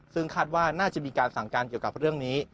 ซึ่งคาดว่าน่าจะมีการสั่งการเกี่ยวกับเรื่องนี้